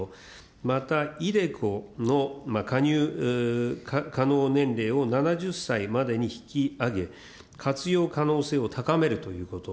また、イデコの加入可能年齢を７０歳までに引き上げ、活用可能性を高めるということ。